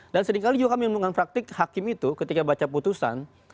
dan seringkali juga kami yang mengumumkan praktik hakim itu ketika baca putusan